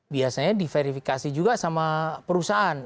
biasanya diverifikasi juga sama perusahaan